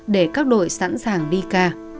để các đội sẵn sàng đi ca